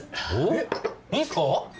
えっいいんすか？